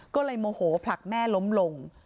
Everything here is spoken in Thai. ก็เลยโมโหผลักแม่ล้มลง